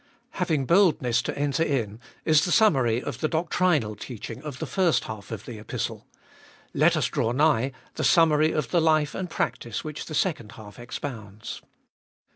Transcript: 1. Having boldness to enter in is the summary of the doctrinal teaching of the first half of the Epistle; let us draw nigh, the summary of the life and practice which the second half expounds.